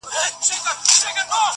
د پسونوتر زړو ویني څڅېدلې٫